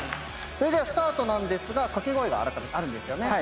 それではスタートなんですが掛け声があるんですよね。